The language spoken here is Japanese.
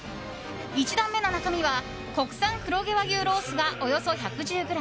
１段目の中身は国産黒毛和牛ロースがおよそ１１０ｇ。